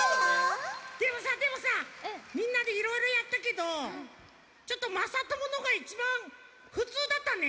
でもさでもさみんなでいろいろやったけどちょっとまさとものがいちばんふつうだったね。